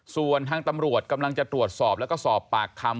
ส่วนทางตำรวจกำลังจะตรวจสอบแล้วก็สอบปากคำ